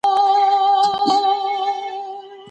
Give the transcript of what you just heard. بدي به خامخا خپل اثر ښيي.